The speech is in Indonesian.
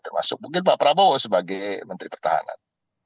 termasuk mungkin pak prabowo sebagai menteri pertahanan